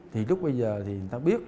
thì lúc bây giờ thì người ta biết